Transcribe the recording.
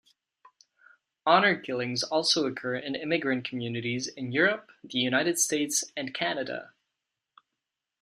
Honor killings also occur in immigrant communities in Europe, the United States and Canada.